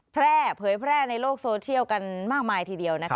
แพร่เผยแพร่ในโลกโซเชียลกันมากมายทีเดียวนะคะ